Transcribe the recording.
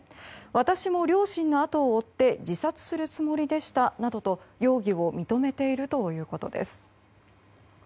私も両親の後を追って自殺するつもりでしたなどと容疑を認めているということです。